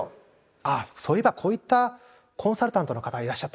あそういえばこういったコンサルタントの方がいらっしゃったな。